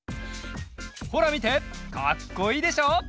ほらみてかっこいいでしょ！